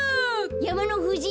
やまのふじ